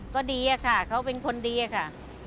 ก็ดีอะค่ะเขาเป็นคนดีอะค่ะ